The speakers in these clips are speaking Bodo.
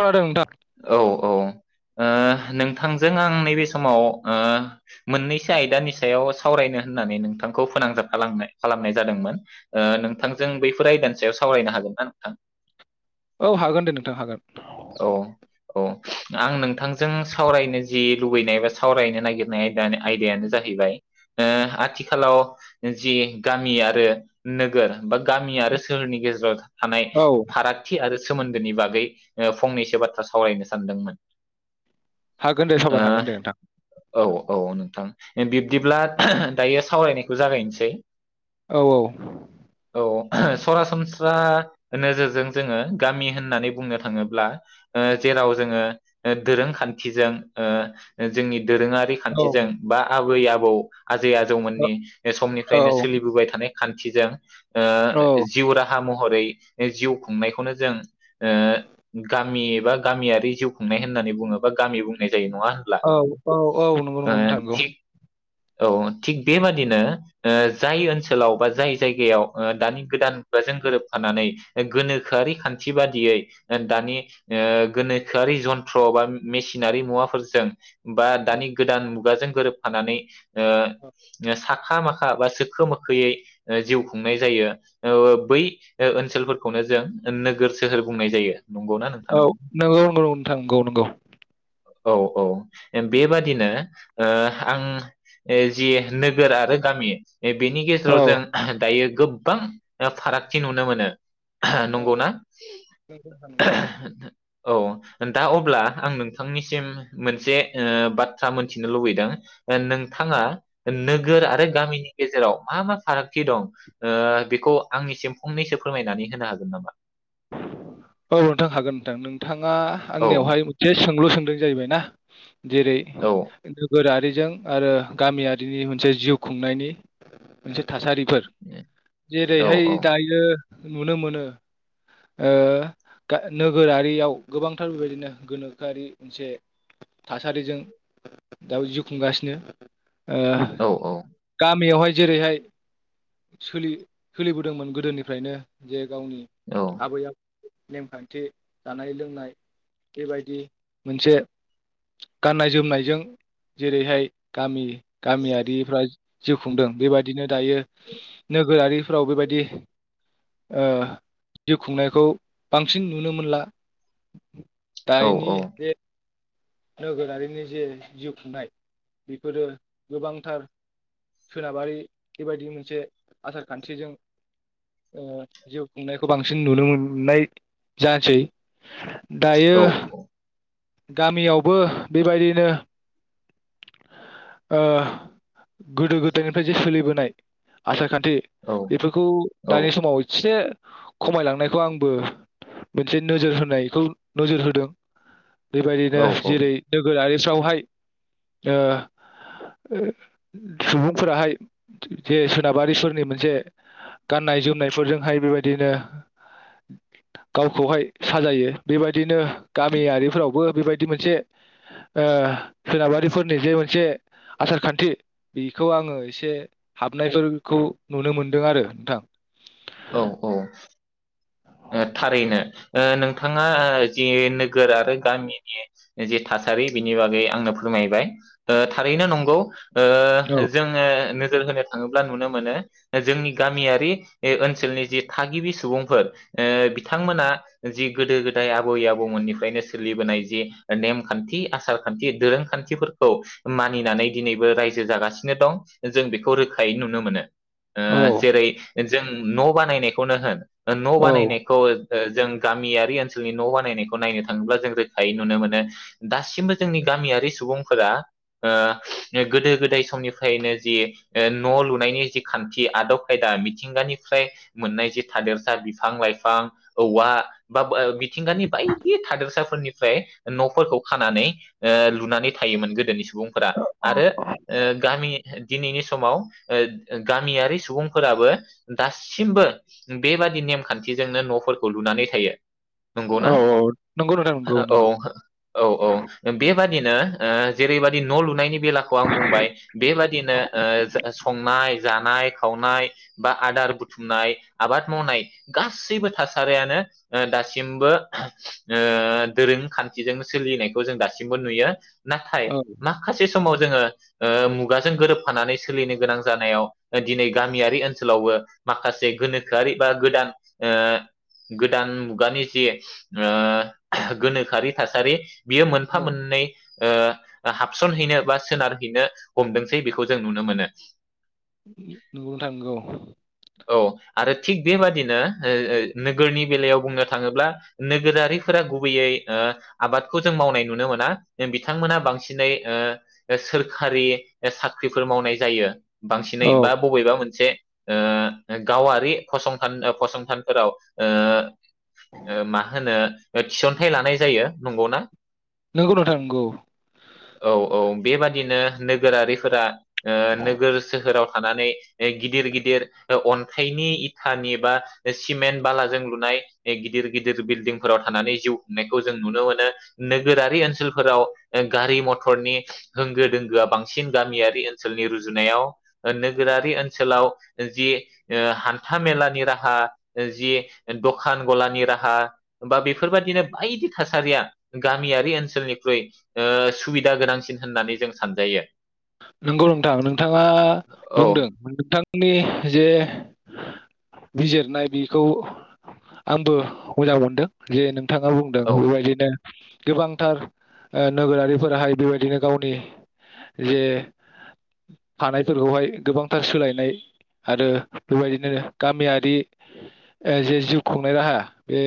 खोनादों नोंथां औ औ ओ नोंथांजों आं नैबे समाव ओ मोननैसो आयदानि सायाव सावरायनो होननानै नोंथांखौ फोनांजाब खालामनाय खालामनाय जादोंमोन ओ नोंथांजों बैफोर आयदानि सायाव सावरायनो हागोनना नोंथां? औ हागोन दे नोंथां हागोन। औ औ आं नोंथांजों सावरायनो जि लुुबैनाय बा सावरायनो नागिरनाय आयदानि आयदायानो जाहैबाय ओ आथिखालाव जि गामि आरो नोगोर बा गामि आरो सोहोरनि गेजेराव थानाय औ फारागथि आरो सोमोन्दोनि बागै फंनैसो बाथ्रा सावरायनो सानदोंमोन हागोन दे सावरायनो हागोन दे नोंथां ओ औ औ नोंथां। बिब्दिब्ला दायो सावरायनायखौ जागायनोसै। औ औ। औ सरासनस्रा नोजोरजों जोङो गामि होननानै बुंनो थाङोब्ला जेराव जोङो दोरोंखान्थिजों जोंनि दोरोङारि औ खान्थिजों बा आबै-आबौ, आजै-आजौमोननि बे औ समनिफ्रायनो सोलिबोबाय थानाय खान्थिजों औ ओ जिउ राहा महर महरै जिउ खुंनायखौनो जों ओ गामि एबा गामियारि जिउ खुंनाय होननानै बुङोबा गामि बुंनाय। जायो नङा होनब्ला औ औ औ नंगौ ओ नंगौ नोंथां थिग औ थिग बेबादिनो जाय ओनसोलाव बा जाय जायगायाव दानि गोदान मुगाजों गोरोबफानानै गोनोखोआरि खान्थि बादियै दानि गोनोखोआरि जन्थ्र बा मेसिनारि मुवाफोरजों बा दानि गोदान मुगाजों। गोरोबफानानै ओ ओ सा माखा माखा बा सोखो मोखोयै जिउ खुंनाय जायो। ओ बै ओ ओनसोलफोरखौनो जों नोगोर सोहोर बुंनाय जायो। नंगौना नोंथां? औ नंगौ नंगौ नोंथां नंगौ नंगौ। औ औ बेबादिनो आं जि नोगोर आरो गामि बेनि औ गेजेराव जों दायो। गोबां फारागथि नुनो मोनो। औ नंगौ ना? [unintelligible] औ दा अब्ला आं नोंथांनिसिम मोनसे बाथ्रा मोनथिनो लुबैदों नोंथाङा नोगोर आरो गामिनि गेजेराव मा मा फारागथि दं बेखौ आंनिसिम फंनैसो फोरमायनानै होनो हागोन नामा? औ नोंथां हागोन नोंथां नों। नोंथाङा औ आंनियावहाय मोनसे सोंलु सों दों जाहैबायना? जेरै औ नोगोरारि जों आरो गामियारिनि मोनसे जिउ खुंनायनि मोनसे थासारि फोर औ जेरैहाय औ दायो नुनो मोनो ओ गा-नोगोरारियाव गोबांथार बेबायदिनो गोनोखोआरि मोनसे थासारिजों दाबो जिउ खुंगासिनो ओ औ गामियावहाय जेरैहाय सोलि-सोलिबोदोंमोन गोदोनिफ्रायनो जे गावनि औ आबै आब नेमखान्थि जानाय लोंनाय बेबायदि मोनसे गाननाय जोमनायजों जेरैहाय गामि गामियारिफ्रा जिउ खुंदों बेबायदिनो दायो नोगोरारिफ्राव बेबायदि ओ जिउ खुंनायखौ बांसिन नुनो मोनला दायनि औ जे नोगोरारिनि जे जिउ खुंनाय बेफोरो गोबांथार सोनाबारि बेबायदि मोनसे आसार खान्थिजों ओ जिउ खुंनायखौ बांसिन नुनो मोन-नाय जासै दायो हा औ गामियावबो बेबायदिनो ओ गोदो गोदायनिफ्राय जे सोलिबो नाय आसार खान थि बेफोरखौ औ दानि समाव इसे खमायलांनायखौ आंबो मोनसे नोजोर होनायखौ नोजोर होदों औ बेबायदिनो जेरै औ नोगोरारि सावहाय ओ सुबुंफोराहाय जे सोनाबारिफोरनि मोनसे गाननाय जोमनायफोरजोंहाय बेबायदिनो गावखौहाय साजायो बेबायदिनो गामियारिफोरावबो बेबायदि मोनसे ओ सोनाबारिफोरनि जे मोनस से आसार खान्थि बिखौ आङो एसे हाबनायफोरखौ नुनो मोनदों आरो नोंथां औ ओ थारैनो ओ नोंथांङा ओ जि नोगोर आरो गामिनि जि थासारि बेनि बागै आंनो फोरमायबाय ओ थारैनो नंगौ औ ओ जोङो नो जोर होनो थाङोब्ला नुनो मोनो जोंनि गामियारि ओ ओनसोलनि जि थागिबि सुबुंफोर ओ बिथांमोना जि गोदो गोदाय आबै आबौमोननिफ्रायनो सोलिबोनाय जि नेमखान्थि आसारखान्थि दोरोंखान्थिफोरखौ मानिनानै दिनैबो रायजो जागासिनो दं जों बेखौ रोखायै नुनो मोनो ओ औ जेरै जों न' बानायनायखौनो होन ओ न' औ बानाय खौ ओ ओ जों गामियारि ओनसोलनि न' बानायनायखौ नायनो थाङोब्ला जों रोखायै नुनो मोनो दासिमबो जोंनि गामियारि सुबुंफोरा ओ गोदो गोदाय समनिफ्रायनो जि ओ न' लुनायनि जि खान्थि आदब खायदा मिथिंगानिफ्राय मोननाय जि थादेरसा बिफां लाइफ फां औवा बा ओ मिथिंगानि बायदि थादोरसाफोरनिफ्राय न'फोरखौ खानानै ओ लुनानै थायोमोन गोदोनि सम बुंफोरा आरो ओ गामि दिनैनि समाव ओ गामियारि सुबुंफोराबो दासिमबो बेबादि नेमखान थिजोंनो न'फोरखौ लुनानै थायो। औ नंगौना औ नंगौ नोंथां [unintelligible] नंगौ औ नंगौ औ औ बे बादिनो ओ जेरैबादि न' लुनायनि बेलाखौ आं बुंबाय बेबादिनो ओ संनाय जानाय, खावनाय, बा आदार बुथुमनाय, आबाद मावनाय गासैबो थासारियानो ओ दासिमबो ओ दोरोंखानथिजों सोलिनायखौ जों दासिमबो नुयो। नाथाय औ माखासे समाव जोङो ओ मुगाजों गोरोबफानानै सोलिनो गोनां जानायाव दिनै गामियारि ओनसोलावबो माखासे गोनोखोआरि बा गोदान ओ गोदान मुगानि जि ओ गोनोखोआरि थासारि बियो मोनफा मोननै ओ हाबस'नहैनो बा सोनारहैनो हमदोंसै बेखौ जों नुनो मोनो । नोंगौ थां नोंगौ। औ आरो थिग बेबादिनो ओ ओ नोगोरनि बेलायाव बुंनो थाङोब्ला नोगोरारिफोरा गुबैयै ओ आबादखौ जों मावनाय नुनो मोना बिथांमोना बांसिनै ओ सोरखारि साख्रिफोर मावनाय जायो । बांसिनै औ बा बबेबा मोनसे ओ गावारि फसंथान ओ फसं थानफोराव ओ ओ मा होनो थिसनथाइ लानाय जायो नंगौना? नोंगौ नोंथां नोंगौ। औ औ बेबादिनो नोगोरारिफोरा ओ नोगोर सोहोराव थानानै गिदिर गिदिर अन्थाइनि इथानि बा सिमेन्ट बालाजों लुनाय गिदिर गिदिर बिल्डिंफोराव थानानै जिउ खुंनायखौ जों नुनो मोनो नोगोरारि ओनसोलफोराव गारि मथरनि होंगो दोंगोआ बांसिन गामियारि ओनसोलनि रुजुनायाव नोगोरारि ओनसोलाव जि ओ हान्था मेलानि राहा जि दखान ग'लानि राहा बा बेफोरबादिनो बायदि थासारिया गामियारि ओनसोलनिख्रुइ ओ सुबिदा गोनांसिन होननानै जों सानजायो । नंगौ नोंथां नोंथाङा औ बुंदों नोंथांनि जे बिजिरनाय बेखौ आंबो मोजां मोनदों जे नों थाङा बुंदों औ बेबायदिनो गोबांथार ओ नोगोरारिफोराहाय बेबायदिनो गावनि जे थानायफोरखौहाय गोबांथार सोलायनाय आरो बेबायदिनो गामियारि ओ जे जिउ खुंनाय राहा बे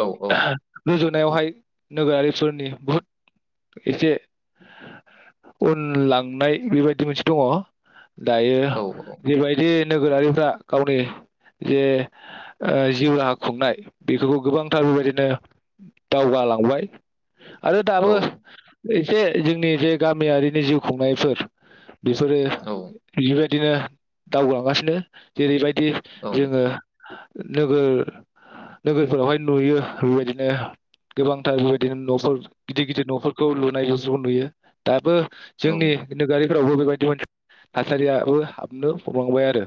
औ औ [unintelligible] रुजुन नायावहाय नोगोरारिफोरनि बुहुद इसे उन लां नाय बेबायदि मोनसे दङ। दायो औ बेबायदि नोगोरारिफ्रा गावनि जे ओ जिउ राहा खुंनाय बेखौबो गोबांथार बेबायदिनो दावगालांबाय। आरो औ दाबो इसे जोंनि बे गामियारिनि जिउ खुंनायफोर बिफोरो औ बिबाय दिनो दावगालांगासिनो जेरैबाय दि औ जोङो नोगोर नोगोरफोरावहाय नुयो बेबायदिनो गोबांथार बेबायदिनो न'फोर गिदिर गिदिर न'फोरखौ लुनाय ज ज नुयो दाबो औ जोंनि नोगारि फोरावबो बेबायदि मोनसे थासारियाबो हाबनो हरलांबाय आरो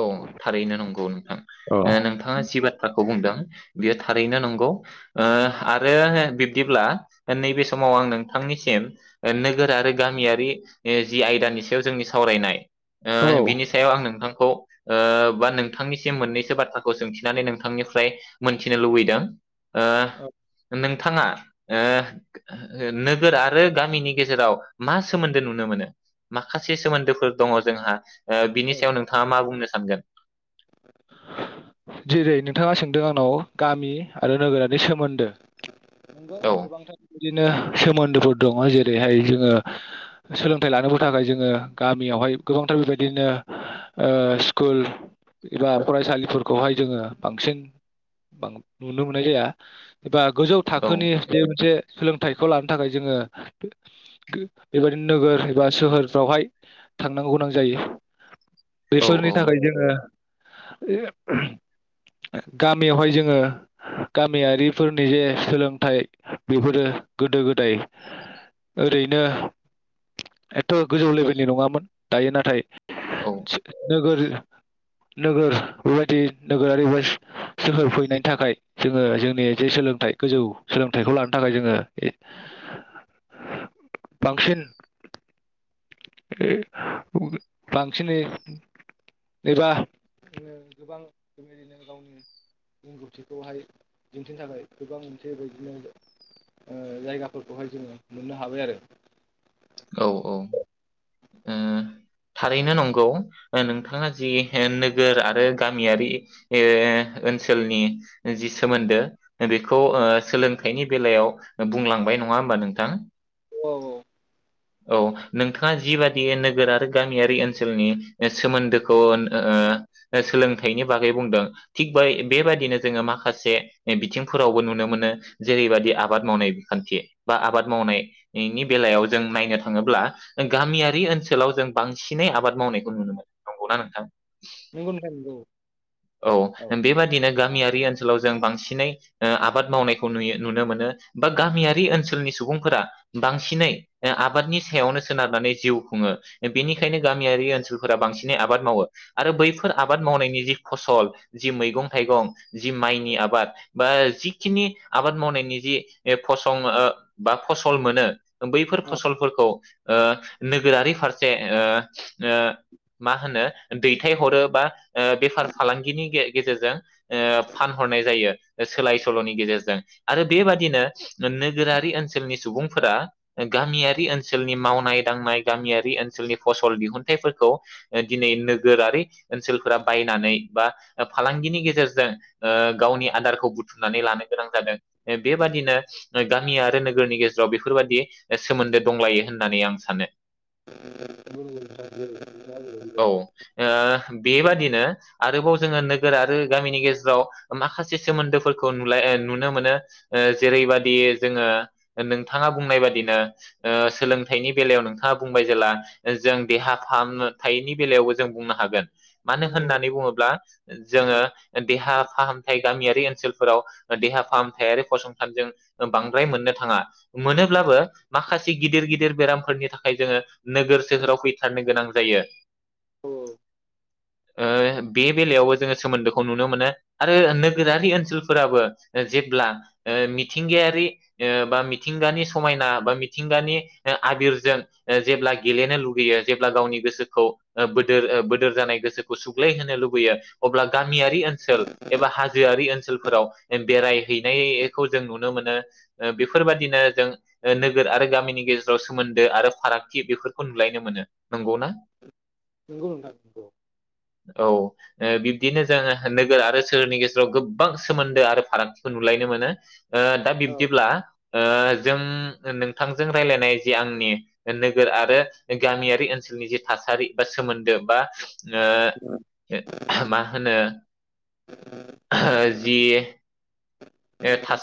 औ थारैनो नंगौ थां औ ओ नोंथाङा जि बाथ्राखौ बुंदों बियो थारैनो नंगौ ओ आरो बिब्दिब्ला नैबे समाव आं नोंथांनिसिम नोगोर आरो गामियारि ओ जि आयदानि सायाव जोंनि सावरायनाय ओ औ बिनि सायाव आं नोंथां खौ ओ बा नोंथांनिसिम मोननैसो बाथ्राखौ सोंथिनानै नोंथांनिफ्राय मोनथिनो लुबैदों ओ नों थाङा ओ नोगोर आरो गामिनि गेजेराव मा सोमोन्दो नुनो मोनो माखासे सोमोन्दोफोर दङ जोंहा ओ बिनि औ सायाव नों मा बुंनो सानगोन जेरै नोंथाङा सोंदों आंनाव गामि आरो नोगोरारि सोमोन्दो नंगौ औ गोबांथार नु बिदिनो सोमोन्दोफोर दङ जेरैहाय जोङो सोलोंथाइ लानोबो थाखाय जोङो गामियावहाय गोबांथार बेबायदिनो ओ स्कुल एबा फरायसालिफोर खौहाय जोङो बांसिन नुनो मोननाय जाया एबा गोजौ औ थाखोनि बे मोनसे सोलोंथाइखौ लानो थाखाय जोङो गो गो बेबादिनो नोगोर एबा सोहोरफोरावहाय थांनांगौ गोनां जायो औ बेफोरनि थाखायनो जोङो ओ गामियावहाय जोङो गामियारिफोरनि जे सोलोंथाइ बेफोरो गोदो गोदाय ओरैनो एथ' गोजौ लेभेलनि नङामोन दायो नाथाय औ नोगोर नोगोर बेबायदि नोगोरारि बा सोहोर फैनायनि थाखाय जोङो जोंनि जे सोलोंथाइ गोजौ सोलोंथाइखौ लानो थाखाय जोङो बांसिन बांसिनै एबा गोबां रदिनो गावनि रोंगौथिखौहाय दिन्थिनो थाखाय गोबां मोनसे बेदिनो जायगाफोरखौहाय जोङो मोननो हाबाय आरो औ औ उम थारैनो नंगौ नोंथाङा जि नोगोर आरो गामियारि ओ ओनसोलनि जि सोमोन्दो बेखौ ओ सोलोंथाइनि बेलायाव बुंलांबाय नङा होमबा नोंथाङा औ औ औ नोंथाङा जिबादि नोगोर आरो गामियारि ओनसोलनि सोमोन्दोखौ ओ सोलोंथाइनि बागै बुंदों थिग बाय बेबायाददिनो जोङो माखासे बिथिंफोरावबो नुनो मोनो जेरैबायादि आबाद मावनाय बिखान्थि बा आबाद मावनायनि बेलायाव जों नायनो थाङोब्ला गामियारि ओनसोलाव जों बांसिनै आबाद मावनायखौ नुनो मोनो नंगौना नोंथां? नंगौ नोंथां नंगौ औ बेबादिनो गामिया बै ओनसोलाव जों बांसिनै ओ आबाद मावनायखौ नुयो नुनो मोनो बा गामियारि ओनसोलनि सुबुंफोरा बांसिनै ओ आबादनि सायावनो सोनारनानै जिउ खुङो बेनिखायनो गामियारि ओनसोलफोरा बांसिनै आबाद मावो आरो बैफोर आबाद मावनायनि जि फसल जि मैगं थाइगं जि माइनि आबाद बा जिखिनि आबाद मावनायनि जि फसं बा फसल मोनो बै फसलफोरखौ नोगोरारि फारसे मा होनो दैथायहरो बा बेफार फालांगिनि गेजेरजों फानहरनाय जायो सोलाय सोल'नि गेजेरजों आरो बेबादिनो नोगोरारि ओनसोलनि सुबुंफोरा गामियारि ओनसोलनि मावनाय-दांनाय गामियारि ओनसोलनि फसल दिहुनथाइफोरखौ दिनै नोगोरारि ओनसोलफोरा बायनानै बा फालांगिनि गेजेरजों ओ गावनि आदारखौ बुथुमनानै लानो गोनां जादों बेबादिनो गामि आरो नोगोरनि गेजेराव बेफोर बायदि। सोमोनदो दंलायो होननानै आं सानो [unintelligible] औ ओ बेबादिनो आरोबाव जोङो नोगोर आरो गामिनि गेजेराव माखासे सोमोनदोफोरखौ नुलाय नुनो मोनो जेरैबादि जोङो नोंथाङा बुंनाय बादिनो। सोलोंथाइनि बेलायाव नोंथाङा बुंबाय जेला जों देहा फाहामनो थायैनि बेलायावबो जों बुंनो हागोन। मानो औ होननानै बुङोब्ला जोङो। देहा फाहामथाय गामियारि ओनसोलफोराव देहा फाहामथायारि फसंथानजों बांद्राय मोननो थाङा मोनोब्लाबो। माखासे गिदिर गिदिर बेरामफोरनि थाखाय जोङो नोगोर सोहोराव फैथारनो गोनां जायो। औ। ओ बे बेलायावबो जोङो सोमोनदोखौ नुनो मोनो आरो नोगोरारि ओनसोलफोराबो जेब्ला ओ मिथिंगायारि ओ बा मिथिंगानि समायना बा। मिथिंगानि ओ आबिरजों ओ जेब्ला गेलेनो लुुबैयो जेब्ला गावनि गोसोखौ ओ बोदोर बोदोर जानाय गोसोखौ सुग्लाय होनोनो लुुबैयो अब्ला गा गामियारि ओनसोल एबा हाजोआरि ओनसोलफोराव बेरायहैनायखौ जों नुनो मोनो ओ बेफोरबादिनो जों ओ नोगोर आरो गामिनि गेजेराव सोमोनदो आरो फारागथि बेफोरखौ नुलायनो मोनो नंगौ ना? नंगौ नोंथां। औ ओ बिब्दिनो जोङो नोगोर आरो सोहोरनि गेजेराव गोबां सोमोनदो आरो फारागथिखौ नुलायनो मोनो। ओ दा औ बिब्दिब्ला ओ जों नोंथांजों रायलायनाय जे आंनि नोगोर आरो गामियारि ओनसोलनि जि थासारि बा सोमोन्दो बा ओ मा होनो जि ओ थास